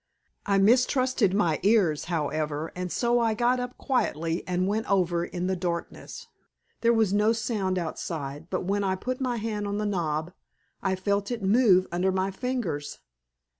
I mistrusted my ears, however, and so I got up quietly and went over in the darkness. There was no sound outside, but when I put my hand on the knob I felt it move under my fingers.